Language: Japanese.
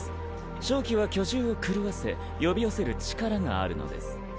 しょう気は巨獣を狂わせ呼び寄せる力があるのです。